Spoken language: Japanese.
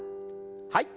はい。